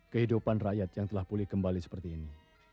kehidupan rakyat yang telah pulih kembali seperti ini